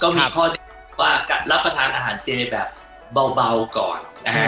ก็มีข้อเดียวว่ารับประทานอาหารเจนแบบเบาก่อน